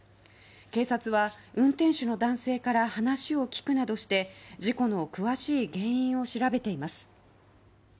警察は運転手の男性から話を聞くなどして事故の詳しい原因を調べています。